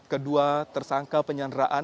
kedua tersangka penyanderaan